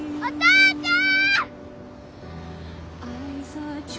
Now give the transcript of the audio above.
お父ちゃん！